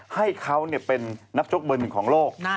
ให้เขาเป็นนักชกเบอร์หนึ่งของโลก